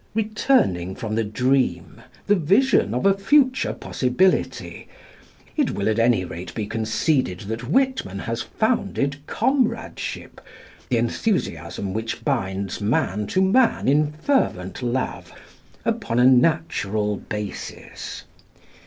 Returning from the dream, the vision of a future possibility, it will at any rate be conceded that Whitman has founded comradeship, the enthusiasm which binds man to man in fervent love, upon a natural basis.